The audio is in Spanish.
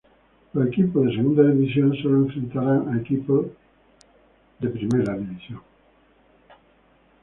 Los equipos de Segunda División solo enfrentarán a equipos de Primera División.